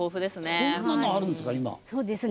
こんなのあるんですか？